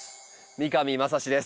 三上真史です。